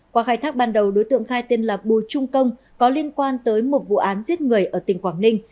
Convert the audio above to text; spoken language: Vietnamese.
qua khai thác ban đầu đối tượng khai tên là bùi trung công có liên quan tới một vụ án giết người ở tỉnh quảng ninh